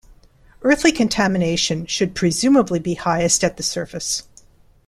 Earthly contamination should presumably be highest at the surface.